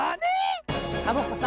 ⁉サボ子さん